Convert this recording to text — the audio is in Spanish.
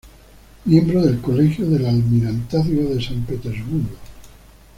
Miembro del Colegio del Almirantazgo de San Petersburgo.